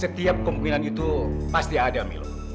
setiap kemungkinan itu pasti ada milu